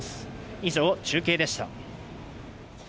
以上、中継でした。